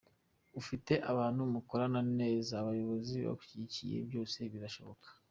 Ufite abantu mukorana neza, abayobozi bagushyigikiye byose birashoboka.